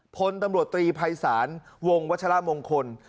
พลตำรวจตรีภัยศาลวงวัชละมงคล